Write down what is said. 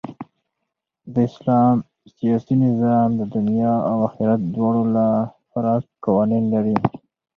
د اسلام سیاسي نظام د دؤنيا او آخرت دواړو له پاره قوانين لري.